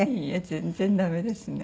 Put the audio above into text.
全然ダメですね。